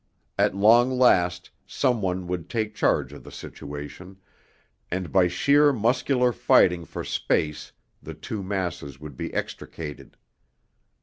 At long last some one would take charge of the situation, and by sheer muscular fighting for space the two masses would be extricated.